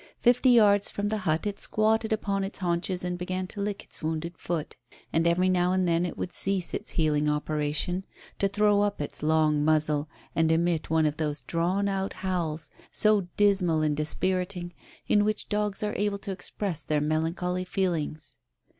Fifty yards from the hut it squatted upon its haunches and began to lick its wounded foot. And every now and then it would cease its healing operation to throw up its long muzzle and emit one of those drawn out howls, so dismal and dispiriting, in which dogs are able to express their melancholy feelings.